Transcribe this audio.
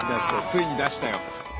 ついに出したよ。